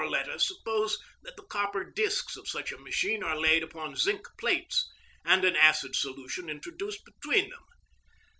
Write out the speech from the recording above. Or let us suppose that the copper discs of such a machine are laid upon zinc plates, and an acid solution introduced between them.